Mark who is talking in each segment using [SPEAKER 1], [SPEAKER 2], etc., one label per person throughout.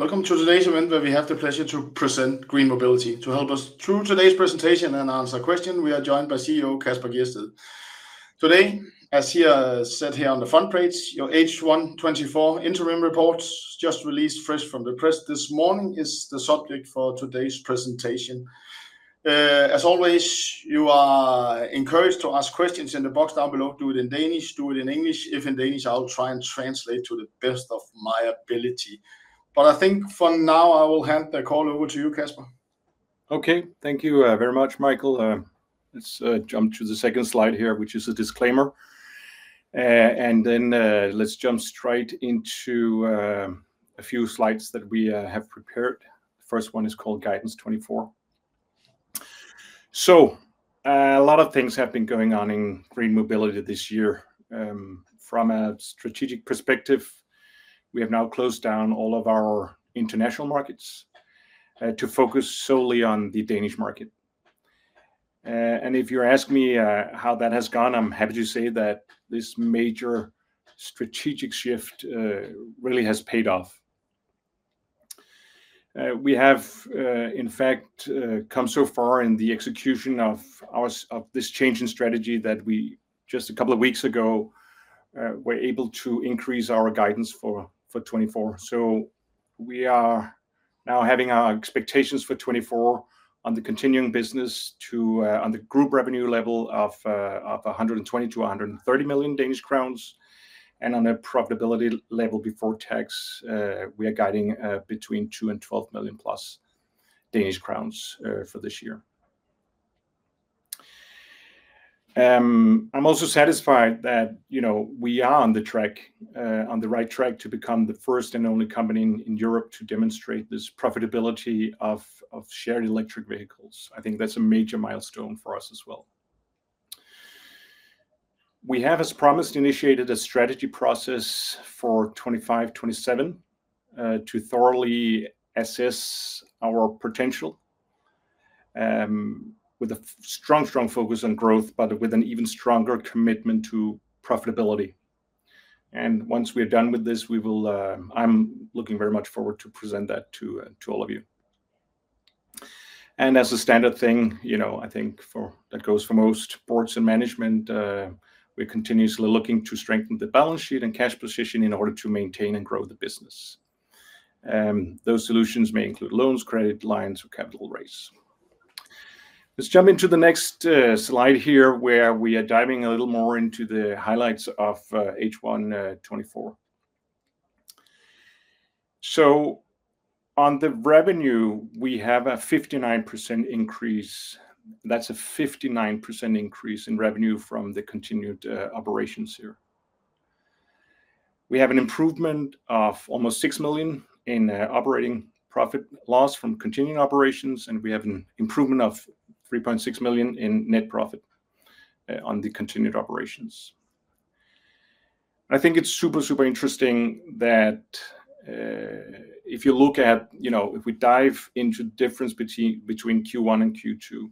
[SPEAKER 1] Welcome to today's event, where we have the pleasure to present GreenMobility. To help us through today's presentation and answer questions, we are joined by CEO Kasper Gjedsted. Today, as he said here on the front page, your H1 2024 interim report, just released fresh from the press this morning, is the subject for today's presentation. As always, you are encouraged to ask questions in the box down below. Do it in Danish, do it in English. If in Danish, I'll try and translate to the best of my ability, but I think for now, I will hand the call over to you, Kasper.
[SPEAKER 2] Okay, thank you very much, Michael. Let's jump to the second slide here, which is a disclaimer. And then, let's jump straight into a few slides that we have prepared. The first one is called Guidance 2024. So, a lot of things have been going on in GreenMobility this year. From a strategic perspective, we have now closed down all of our international markets to focus solely on the Danish market. And if you ask me how that has gone, I'm happy to say that this major strategic shift really has paid off. We have in fact come so far in the execution of this change in strategy that we just a couple of weeks ago were able to increase our guidance for 2024. We are now having our expectations for 2024 on the continuing business to on the group revenue level of 120 million-130 million Danish crowns, and on a profitability level before tax we are guiding between 2 million and 12 million Danish crowns-plus for this year. I'm also satisfied that you know we are on the track on the right track to become the first and only company in Europe to demonstrate this profitability of shared electric vehicles. I think that's a major milestone for us as well. We have as promised initiated a strategy process for 2025-2027 to thoroughly assess our potential with a strong strong focus on growth but with an even stronger commitment to profitability. Once we're done with this we will I'm looking very much forward to present that to all of you. And as a standard thing, you know, I think for, that goes for most boards and management, we're continuously looking to strengthen the balance sheet and cash position in order to maintain and grow the business. Those solutions may include loans, credit lines, or capital raise. Let's jump into the next slide here, where we are diving a little more into the highlights of H1 2024. So on the revenue, we have a 59% increase. That's a 59% increase in revenue from the continued operations here. We have an improvement of almost 6 million in operating profit loss from continuing operations, and we have an improvement of 3.6 million in net profit on the continued operations. I think it's super, super interesting that, if you look at, you know, if we dive into difference between Q1 and Q2,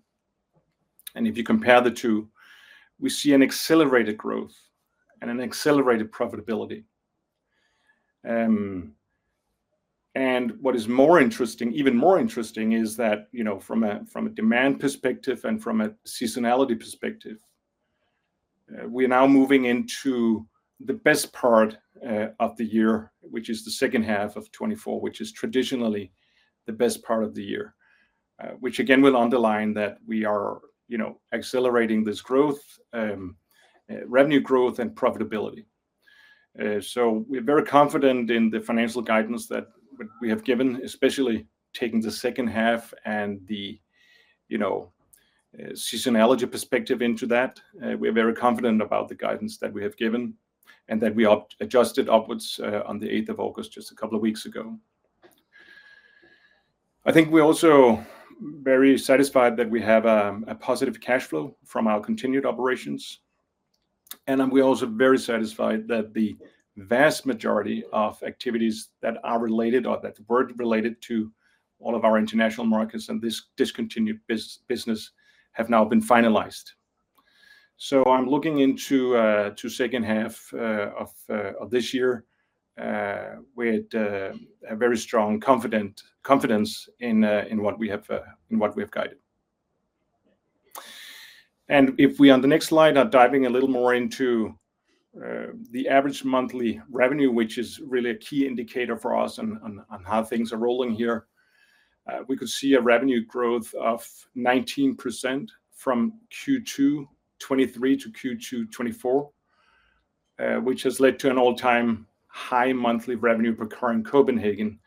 [SPEAKER 2] and if you compare the two, we see an accelerated growth and an accelerated profitability, and what is more interesting, even more interesting, is that, you know, from a demand perspective and from a seasonality perspective, we are now moving into the best part of the year, which is the second half of 2024, which is traditionally the best part of the year, which again, will underline that we are, you know, accelerating this growth, revenue growth and profitability, so we're very confident in the financial guidance that we have given, especially taking the second half and the, you know, seasonality perspective into that. We're very confident about the guidance that we have given, and that we up-adjusted upwards on the 8th of August, just a couple of weeks ago. I think we're also very satisfied that we have a positive cash flow from our continued operations, and we're also very satisfied that the vast majority of activities that are related or that were related to all of our international markets and this discontinued business have now been finalized. I'm looking into the second half of this year with a very strong confidence in what we have guided. If we, on the next slide, are diving a little more into the average monthly revenue, which is really a key indicator for us on how things are rolling here, we could see a revenue growth of 19% from Q2 2023 to Q2 2024, which has led to an all-time high monthly revenue per car in Copenhagen.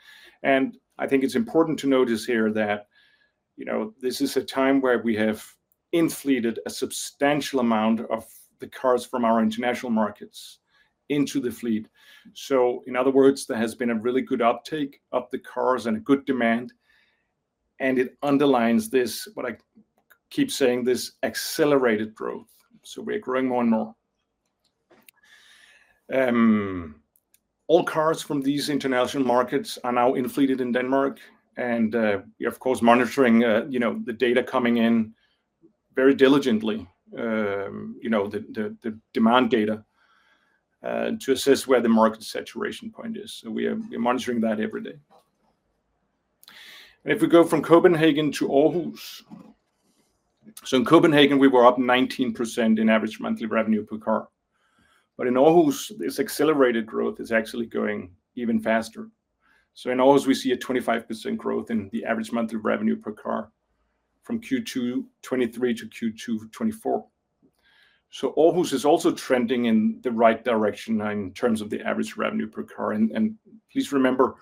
[SPEAKER 2] I think it's important to notice here that, you know, this is a time where we have in-fleeted a substantial amount of the cars from our international markets into the fleet. In other words, there has been a really good uptake of the cars and a good demand, and it underlines this, what I keep saying, this accelerated growth, so we're growing more and more. All cars from these international markets are now in-fleeted in Denmark, and we're of course monitoring you know the data coming in very diligently, the demand data to assess where the market saturation point is. So we're monitoring that every day. And if we go from Copenhagen to Aarhus, so in Copenhagen, we were up 19% in average monthly revenue per car. But in Aarhus, this accelerated growth is actually going even faster. So in Aarhus, we see a 25% growth in the average monthly revenue per car from Q2 2023 to Q2 2024. So Aarhus is also trending in the right direction in terms of the average revenue per car. Please remember,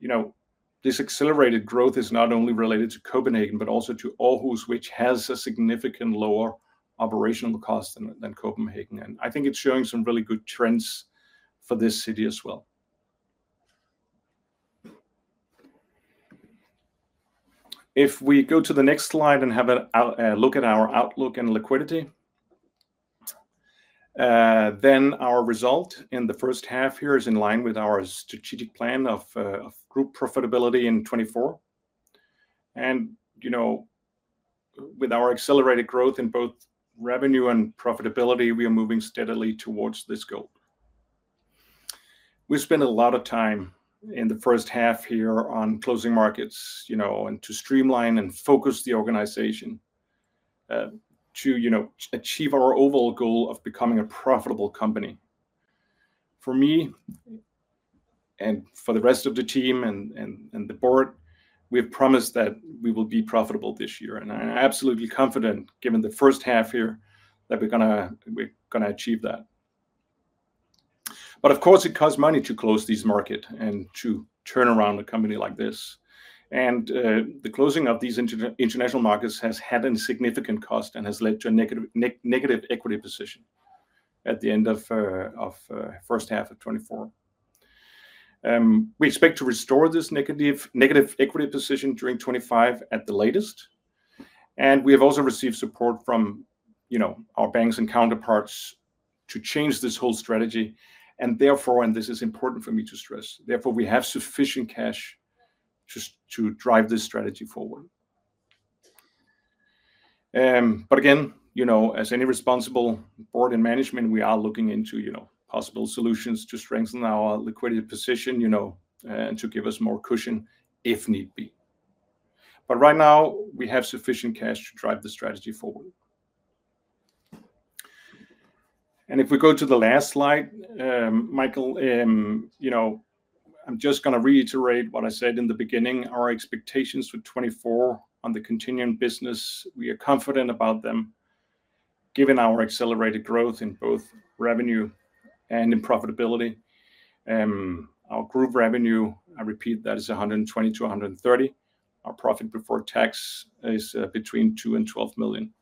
[SPEAKER 2] you know, this accelerated growth is not only related to Copenhagen, but also to Aarhus, which has a significantly lower operational cost than Copenhagen. I think it's showing some really good trends for this city as well. If we go to the next slide and have a look at our outlook and liquidity, then our result in the first half here is in line with our strategic plan of group profitability in 2024. You know, with our accelerated growth in both revenue and profitability, we are moving steadily towards this goal. We spent a lot of time in the first half here on closing markets, you know, and to streamline and focus the organization to achieve our overall goal of becoming a profitable company. For me, and for the rest of the team, and the board, we have promised that we will be profitable this year, and I'm absolutely confident, given the first half here, that we're gonna achieve that. But of course, it costs money to close these markets and to turn around a company like this. And the closing of these international markets has had a significant cost and has led to a negative equity position at the end of first half of 2024. We expect to restore this negative equity position during 2025 at the latest, and we have also received support from, you know, our banks and counterparts to change this whole strategy, and therefore, and this is important for me to stress, therefore, we have sufficient cash to drive this strategy forward. But again, you know, as any responsible board and management, we are looking into, you know, possible solutions to strengthen our liquidity position, you know, and to give us more cushion if need be. But right now, we have sufficient cash to drive the strategy forward. And if we go to the last slide, Michael, you know, I'm just gonna reiterate what I said in the beginning. Our expectations for 2024 on the continuing business, we are confident about them, given our accelerated growth in both revenue and in profitability. Our group revenue, I repeat, that is 120 million-130 million. Our profit before tax is between 2 million and 12 million.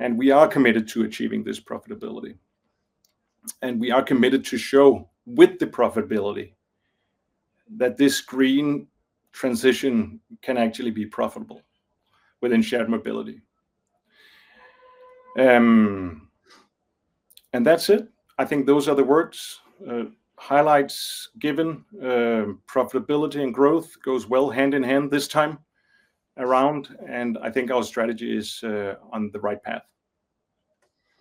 [SPEAKER 2] And we are committed to achieving this profitability, and we are committed to show, with the profitability, that this green transition can actually be profitable within shared mobility. And that's it. I think those are the highlights given. Profitability and growth goes well hand in hand this time around, and I think our strategy is on the right path.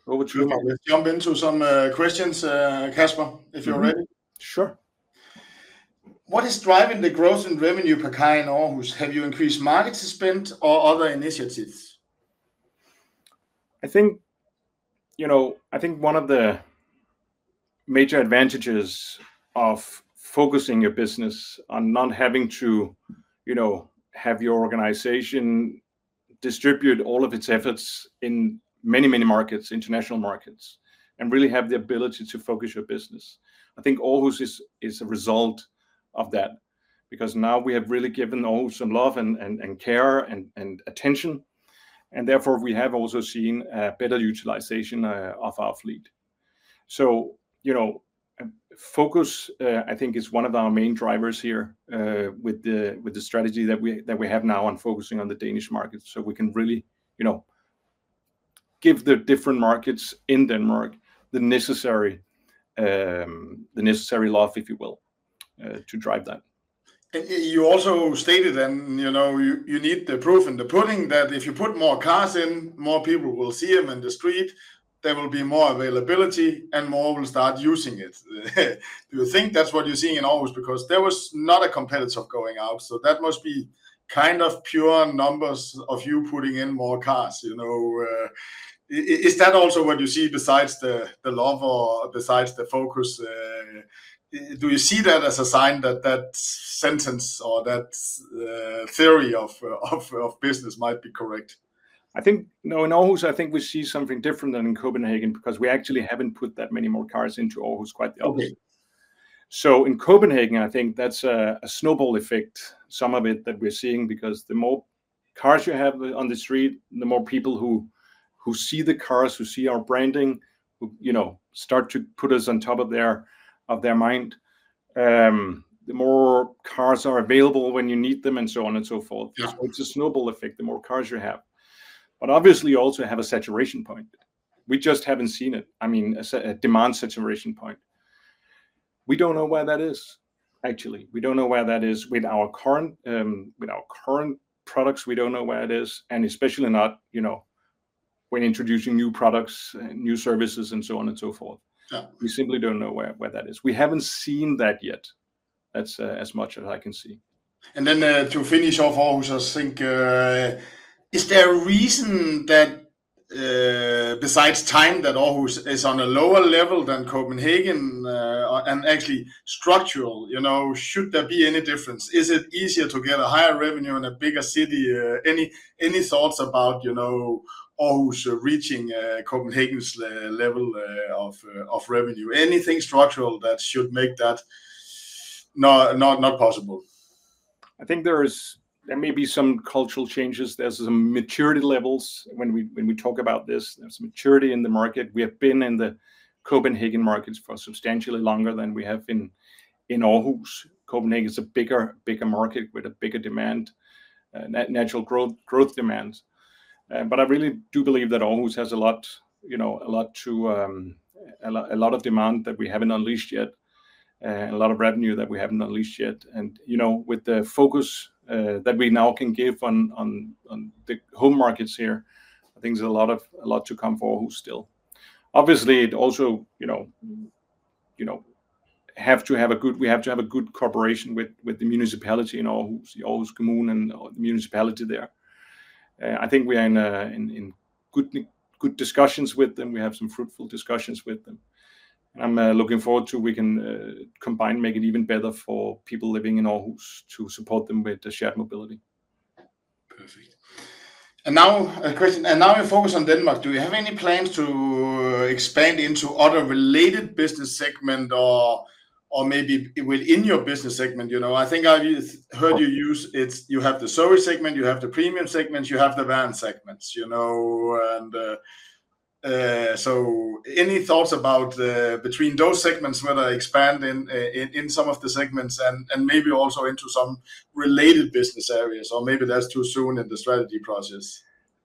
[SPEAKER 2] Over to you, Michael.
[SPEAKER 1] Let's jump into some questions, Kasper, if you're ready.
[SPEAKER 2] Mm-hmm. Sure.
[SPEAKER 1] What is driving the growth in revenue per car in Aarhus? Have you increased market spend or other initiatives?
[SPEAKER 2] I think, you know, I think one of the major advantages of focusing your business on not having to, you know, have your organization distribute all of its efforts in many, many markets, international markets, and really have the ability to focus your business. I think Aarhus is a result of that, because now we have really given Aarhus some love, and care, and attention, and therefore, we have also seen a better utilization of our fleet. Focus, you know, I think is one of our main drivers here with the strategy that we have now on focusing on the Danish market. We can really, you know, give the different markets in Denmark the necessary love, if you will, to drive that.
[SPEAKER 1] And you also stated, and, you know, you need the proof in the pudding that if you put more cars in, more people will see them in the street, there will be more availability, and more will start using it. Do you think that's what you're seeing in Aarhus? Because there was not a competitive going out, so that must be kind of pure numbers of you putting in more cars, you know? Is that also what you see besides the love or besides the focus, do you see that as a sign that that sentence or that theory of business might be correct?
[SPEAKER 2] I think, no, in Aarhus, I think we see something different than in Copenhagen, because we actually haven't put that many more cars into Aarhus, quite the opposite.
[SPEAKER 1] Okay.
[SPEAKER 2] So in Copenhagen, I think that's a snowball effect, some of it that we're seeing, because the more cars you have on the street, the more people who see the cars, who see our branding, who you know start to put us on top of their mind. The more cars are available when you need them, and so on and so forth.
[SPEAKER 1] Yeah.
[SPEAKER 2] It's a snowball effect, the more cars you have, but obviously, you also have a saturation point. We just haven't seen it, I mean, a demand saturation point. We don't know why that is, actually. We don't know why that is with our current products, we don't know why it is, and especially not, you know, when introducing new products and new services and so on and so forth.
[SPEAKER 1] Yeah.
[SPEAKER 2] We simply don't know where that is. We haven't seen that yet. That's, as much as I can see.
[SPEAKER 1] And then, to finish off, Aarhus. I think, is there a reason that, besides time, that Aarhus is on a lower level than Copenhagen, and actually structural? You know, should there be any difference? Is it easier to get a higher revenue in a bigger city? Any thoughts about, you know, Aarhus reaching Copenhagen's level of revenue, anything structural that should make that not possible?
[SPEAKER 2] I think there may be some cultural changes. There's some maturity levels when we talk about this. There's maturity in the market. We have been in the Copenhagen markets for substantially longer than we have been in Aarhus. Copenhagen is a bigger market with a bigger demand, natural growth demands. But I really do believe that Aarhus has a lot, you know, a lot of demand that we haven't unleashed yet, and a lot of revenue that we haven't unleashed yet. You know, with the focus that we now can give on the home markets here, I think there's a lot to come for Aarhus still. Obviously, it also, you know, have to have a good cooperation with the municipality in Aarhus, Aarhus Kommune, and the municipality there. I think we are in good discussions with them. We have some fruitful discussions with them, and I'm looking forward to we can combine, make it even better for people living in Aarhus to support them with the shared mobility.
[SPEAKER 1] Perfect, and now, a question, and now you focus on Denmark. Do you have any plans to expand into other related business segment or, or maybe within your business segment? You know, I think I've heard you use it... You have the service segment, you have the premium segment, you have the van segments, you know, and, so any thoughts about between those segments, whether expanding in some of the segments and, and maybe also into some related business areas, or maybe that's too soon in the strategy process?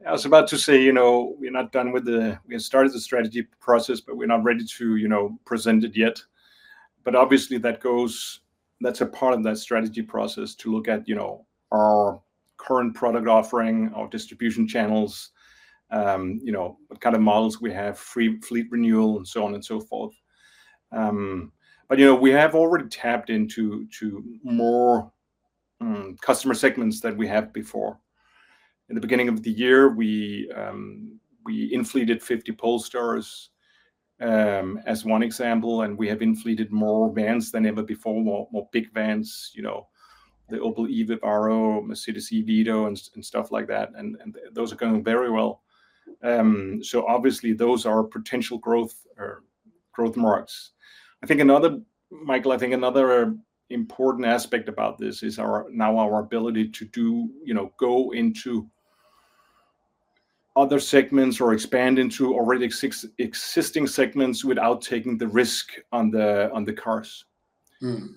[SPEAKER 2] I was about to say, you know, we're not done. We have started the strategy process, but we're not ready to, you know, present it yet. But obviously, that goes, that's a part of that strategy process to look at, you know, our current product offering, our distribution channels, you know, what kind of models we have, fleet renewal and so on and so forth. But you know, we have already tapped into more customer segments than we have before. In the beginning of the year, we in-fleeted 50 Polestars, as one example, and we have in-fleeted more vans than ever before, more big vans, you know, the Opel Vivaro-e, Mercedes-Benz eVito and stuff like that, and those are going very well. So obviously those are potential growth or growth markets. I think another important aspect about this is our, now our ability to do, you know, go into other segments or expand into already existing segments without taking the risk on the, on the cars.
[SPEAKER 1] Mm.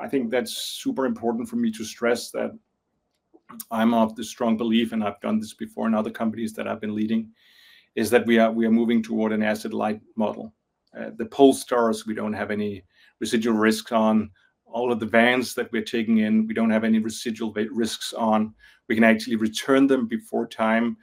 [SPEAKER 2] I think that's super important for me to stress that I'm of the strong belief, and I've done this before in other companies that I've been leading, is that we are moving toward an asset-light model. The Polestars, we don't have any residual risk on. All of the vans that we're taking in, we don't have any residual risks on. We can actually return them before time,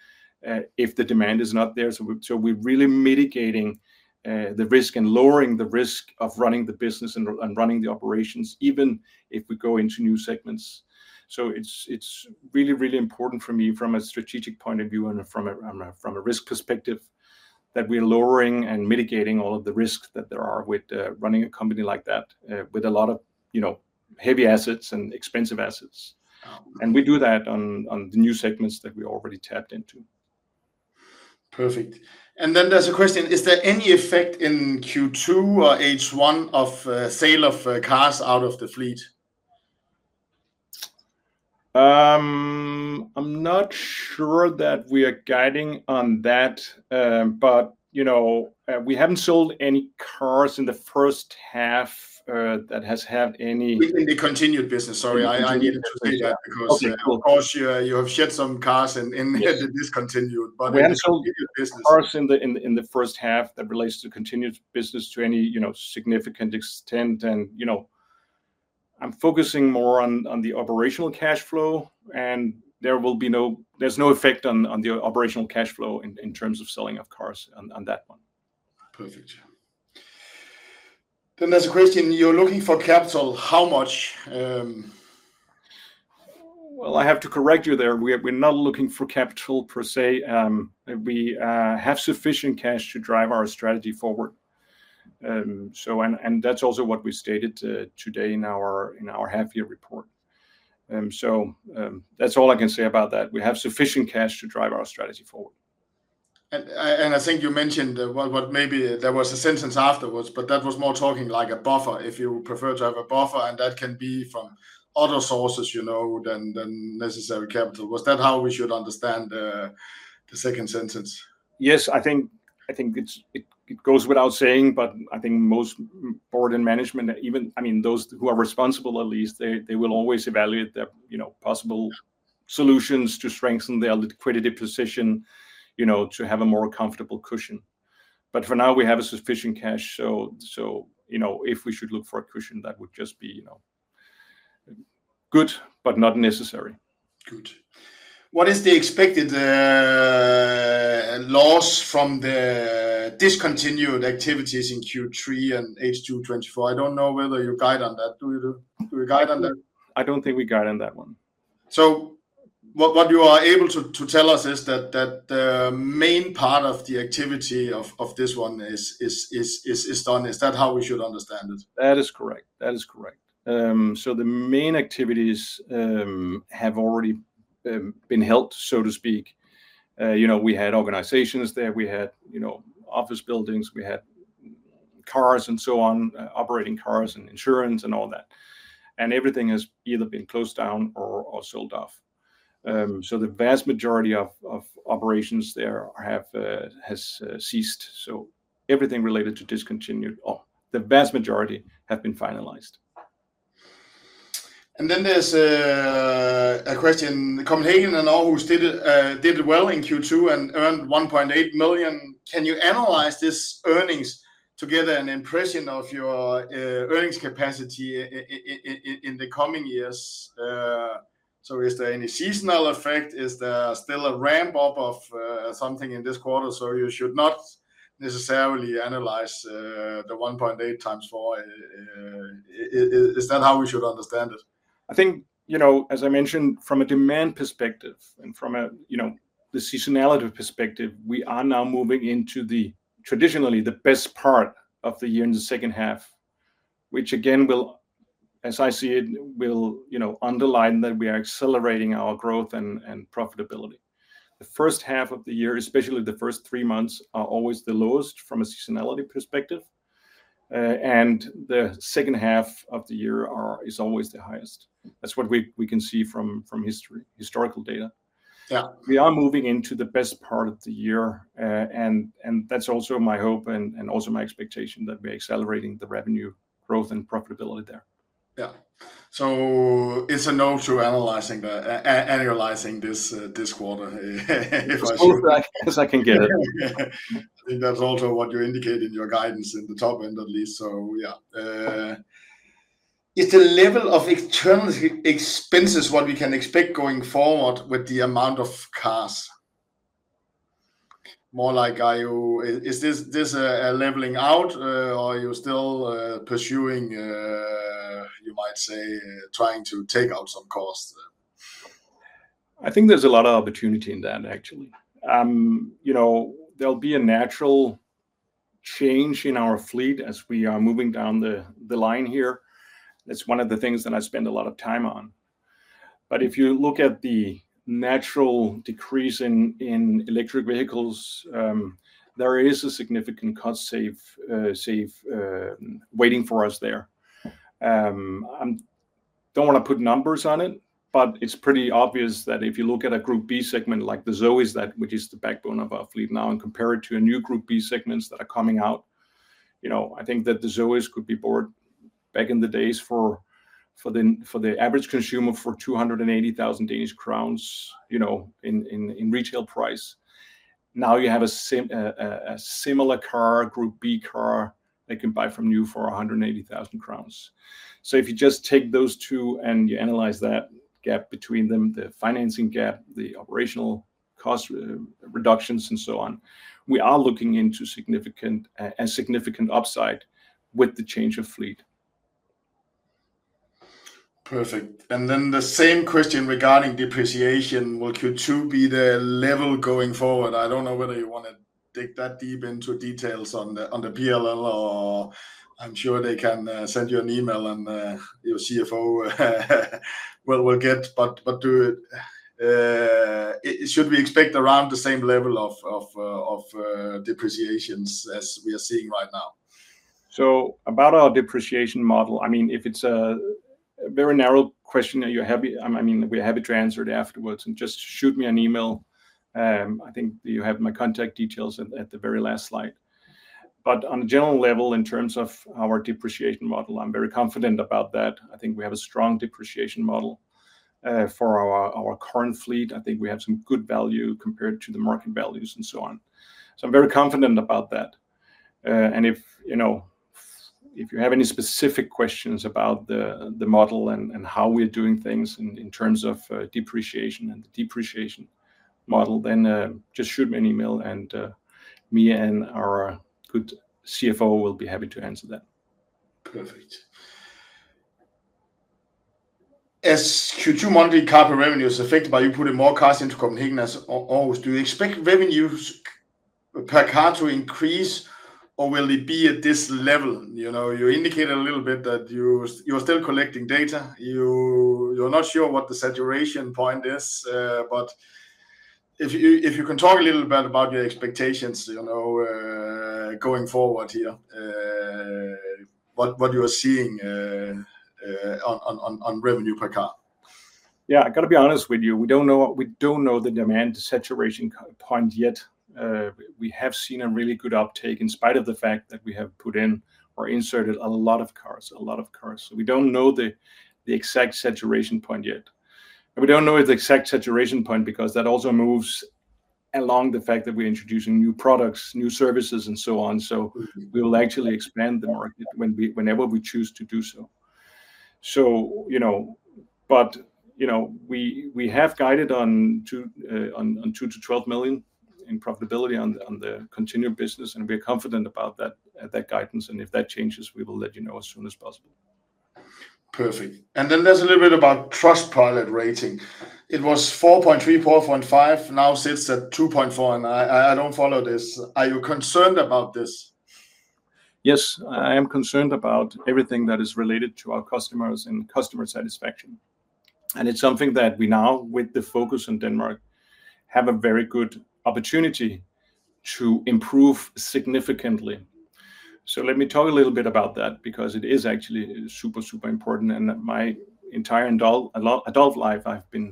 [SPEAKER 2] if the demand is not there. So we're really mitigating the risk and lowering the risk of running the business and running the operations, even if we go into new segments. It's really important for me from a strategic point of view and from a risk perspective, that we're lowering and mitigating all of the risks that there are with running a company like that with a lot of, you know, heavy assets and expensive assets.
[SPEAKER 1] Um-
[SPEAKER 2] We do that on the new segments that we already tapped into.
[SPEAKER 1] Perfect. And then there's a question: Is there any effect in Q2 or H1 of sale of cars out of the fleet?
[SPEAKER 2] I'm not sure that we are guiding on that. But, you know, we haven't sold any cars in the first half that has had any-
[SPEAKER 1] Within the continued business. Sorry.
[SPEAKER 2] Continued business...
[SPEAKER 1] I needed to say that because-
[SPEAKER 2] Okay, cool...
[SPEAKER 1] of course, you have shed some cars in-
[SPEAKER 2] Yes...
[SPEAKER 1] the discontinued, but in the continued business.
[SPEAKER 2] We haven't sold cars in the first half that relates to continued business to any, you know, significant extent. And, you know, I'm focusing more on the operational cash flow, and there's no effect on the operational cash flow in terms of selling of cars on that one.
[SPEAKER 1] Perfect. Then there's a question: You're looking for capital. How much?
[SPEAKER 2] I have to correct you there. We're not looking for capital per se. We have sufficient cash to drive our strategy forward. And that's also what we stated today in our half-year report. That's all I can say about that.
[SPEAKER 1] I think you mentioned, well, but maybe there was a sentence afterwards, but that was more talking like a buffer, if you prefer to have a buffer, and that can be from other sources, you know, than necessary capital. Was that how we should understand the second sentence?
[SPEAKER 2] Yes. I think it's, it goes without saying, but I think most board and management, even, I mean, those who are responsible at least, they will always evaluate the, you know, possible solutions to strengthen their liquidity position, you know, to have a more comfortable cushion. But for now, we have a sufficient cash, so, you know, if we should look for a cushion, that would just be, you know, good, but not necessary.
[SPEAKER 1] Good. What is the expected loss from the discontinued activities in Q3 and H2 2024? I don't know whether you guide on that. Do we guide on that?
[SPEAKER 2] I don't think we guide on that one.
[SPEAKER 1] So what you are able to tell us is that the main part of the activity of this one is done. Is that how we should understand it?
[SPEAKER 2] That is correct. So the main activities have already been helped, so to speak. You know, we had organizations there. We had, you know, office buildings, we had cars and so on, operating cars and insurance and all that, and everything has either been closed down or sold off. So the vast majority of operations there have ceased. So everything related to discontinued or the vast majority have been finalized.
[SPEAKER 1] There's a question. Copenhagen and Aarhus did well in Q2 and earned 1.8 million. Can you analyze this earnings to get an impression of your earnings capacity in the coming years? Is there any seasonal effect? Is there still a ramp up of something in this quarter, so you should not necessarily analyze the 1.8 times four? Is that how we should understand it?
[SPEAKER 2] I think, you know, as I mentioned, from a demand perspective and from a, you know, the seasonality perspective, we are now moving into traditionally the best part of the year in the second half, which again, as I see it, will, you know, underline that we are accelerating our growth and profitability. The first half of the year, especially the first three months, are always the lowest from a seasonality perspective. And the second half of the year is always the highest. That's what we can see from historical data.
[SPEAKER 1] Yeah.
[SPEAKER 2] We are moving into the best part of the year. And that's also my hope and also my expectation that we're accelerating the revenue growth and profitability there.
[SPEAKER 1] Yeah. So it's a no to analyzing this quarter, if I-
[SPEAKER 2] As close as I can get it.
[SPEAKER 1] I think that's also what you indicate in your guidance at the top end, at least. So, yeah. Is the level of externality expenses what we can expect going forward with the amount of cars? More like, are you... Is this a leveling out, or are you still pursuing, you might say, trying to take out some costs?
[SPEAKER 2] I think there's a lot of opportunity in that, actually. You know, there'll be a natural change in our fleet as we are moving down the line here. That's one of the things that I spend a lot of time on. But if you look at the natural decrease in electric vehicles, there is a significant cost save waiting for us there. I don't want to put numbers on it, but it's pretty obvious that if you look at a Group B segment like the Zoes, that which is the backbone of our fleet now, and compare it to a new Group B segments that are coming out, you know, I think that the Zoes could be bought back in the days for the average consumer for 280,000 Danish crowns, you know, in retail price. Now you have a similar car, Group B car, they can buy from you for 180,000 crowns. So if you just take those two and you analyze that gap between them, the financing gap, the operational cost reductions, and so on, we are looking into significant, a significant upside with the change of fleet.
[SPEAKER 1] Perfect. And then the same question regarding depreciation. Will Q2 be the level going forward? I don't know whether you want to dig that deep into details on the P&L or I'm sure they can send you an email, and your CFO will get, but should we expect around the same level of depreciations as we are seeing right now?
[SPEAKER 2] So about our depreciation model, I mean, if it's a very narrow question that you're happy, I mean, we're happy to answer it afterwards and just shoot me an email. I think you have my contact details at the very last slide. But on a general level, in terms of our depreciation model, I'm very confident about that. I think we have a strong depreciation model for our current fleet. I think we have some good value compared to the market values and so on. So I'm very confident about that. And if you know, if you have any specific questions about the model and how we're doing things in terms of depreciation and the depreciation model, then just shoot me an email, and me and our good CFO will be happy to answer that.
[SPEAKER 1] Perfect. As Q2 monthly car per revenue is affected by you putting more cars into Copenhagen as always, do you expect revenues per car to increase, or will it be at this level? You know, you indicated a little bit that you're still collecting data. You're not sure what the saturation point is. But if you can talk a little bit about your expectations, you know, going forward here, what you are seeing on revenue per car.
[SPEAKER 2] Yeah, I've got to be honest with you, we don't know the demand saturation point yet. We have seen a really good uptake, in spite of the fact that we have put in or inserted a lot of cars, a lot of cars. So we don't know the exact saturation point yet, and we don't know the exact saturation point because that also moves along the fact that we're introducing new products, new services, and so on. So we will actually expand the market whenever we choose to do so. So, you know, but, you know, we have guided on 2 million-12 million in profitability on the continued business, and we're confident about that guidance, and if that changes, we will let you know as soon as possible.
[SPEAKER 1] Perfect. And then there's a little bit about Trustpilot rating. It was 4.3, 4.5, now sits at 2.4, and I don't follow this. Are you concerned about this?
[SPEAKER 2] Yes, I am concerned about everything that is related to our customers and customer satisfaction, and it's something that we now, with the focus on Denmark, have a very good opportunity to improve significantly. So let me talk a little bit about that because it is actually super, super important, and my entire adult life, I've been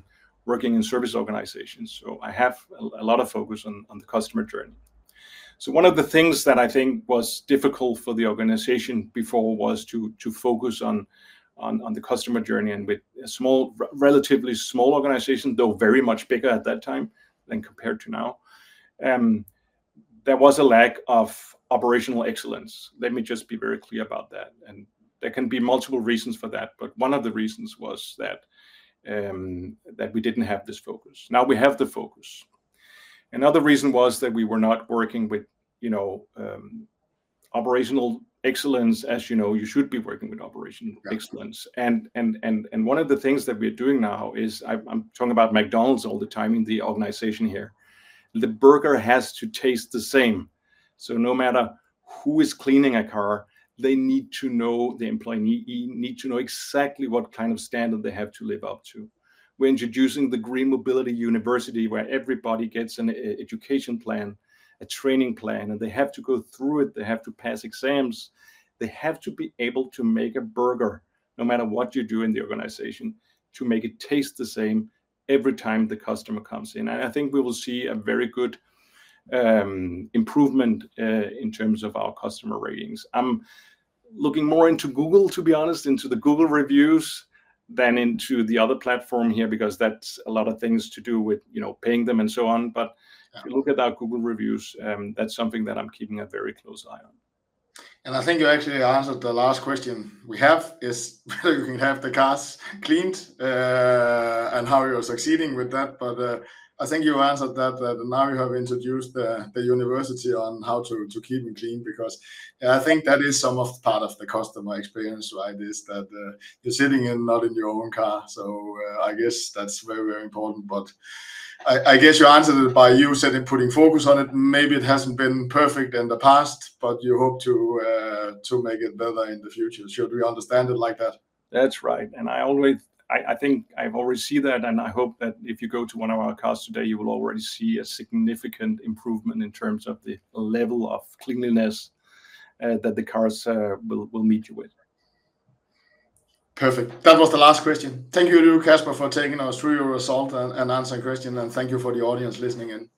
[SPEAKER 2] working in service organizations, so I have a lot of focus on the customer journey. So one of the things that I think was difficult for the organization before was to focus on the customer journey and with a relatively small organization, though very much bigger at that time than compared to now, there was a lack of operational excellence. Let me just be very clear about that, and there can be multiple reasons for that. But one of the reasons was that we didn't have this focus. Now we have the focus. Another reason was that we were not working with, you know, operational excellence. As you know, you should be working with operational excellence.
[SPEAKER 1] Yeah.
[SPEAKER 2] One of the things that we're doing now is I'm talking about McDonald's all the time in the organization here. The burger has to taste the same, so no matter who is cleaning a car, they need to know, the employee need to know exactly what kind of standard they have to live up to. We're introducing the GreenMobility University, where everybody gets an education plan, a training plan, and they have to go through it. They have to pass exams. They have to be able to make a burger, no matter what you do in the organization, to make it taste the same every time the customer comes in. And I think we will see a very good improvement in terms of our customer ratings. I'm looking more into Google, to be honest, into the Google reviews, than into the other platform here, because that's a lot of things to do with, you know, paying them and so on.
[SPEAKER 1] Yeah.
[SPEAKER 2] But if you look at our Google reviews, that's something that I'm keeping a very close eye on.
[SPEAKER 1] And I think you actually answered the last question we have, is whether you can have the cars cleaned, and how you're succeeding with that. But, I think you answered that now you have introduced the university on how to keep them clean, because, yeah, I think that is some of part of the customer experience, right, is that, you're sitting in not in your own car. So, I guess that's very, very important. But I guess you answered it by you saying putting focus on it. Maybe it hasn't been perfect in the past, but you hope to make it better in the future. Should we understand it like that?
[SPEAKER 2] That's right, and I think I've already seen that, and I hope that if you go to one of our cars today, you will already see a significant improvement in terms of the level of cleanliness that the cars will meet you with.
[SPEAKER 1] Perfect. That was the last question. Thank you, Kasper, for taking us through your result and answering questions, and thank you for the audience listening in.